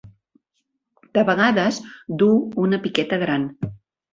De vegades duu una piqueta gran.